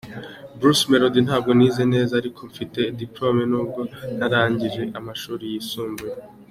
Bruce Melody: Ntabwo nize neza ariko mfite diplome nubwo ntarangije amashuri yisumbuye.